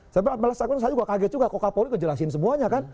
saya juga kaget juga kok kak polri kejelasin semuanya kan